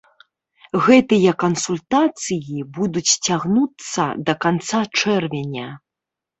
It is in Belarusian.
Гэтыя кансультацыі будуць цягнуцца да канца чэрвеня.